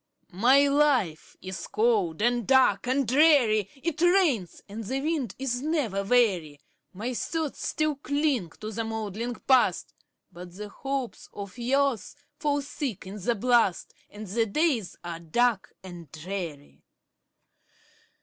My life is cold, and dark, and dreary; It rains, and the wind is never weary; My thoughts still cling to the moldering Past, But the hopes of youth fall thick in the blast, And the days are dark and dreary.